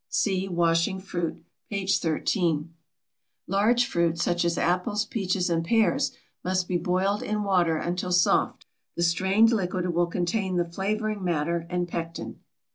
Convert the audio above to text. (See washing fruit, p. 13.) Large fruits, such as apples, peaches, and pears, must be boiled in water until soft. The strained liquid will contain the flavoring matter and pectin.